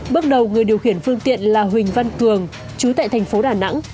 bước đầu người điều khiển phương tiện là huỳnh văn cường chú tại thành phố đà nẵng